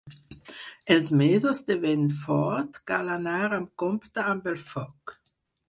Els mesos de vent fort cal anar amb compte amb el foc.